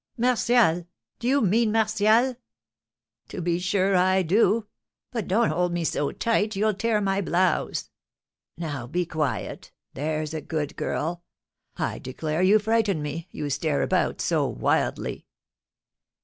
"Martial? Do you mean Martial?" "To be sure I do; but don't hold me so tight, you'll tear my blouse. Now be quiet, there's a good girl. I declare you frighten me, you stare about so wildly."